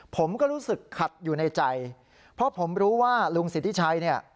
ผมก็รู้สึกขัดอยู่ในใจเพราะผมรู้ว่าลุงสิทธิชัยเนี่ย